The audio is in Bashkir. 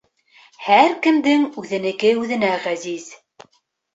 Һәр кемдең үҙенеке үҙенә ғәзиз.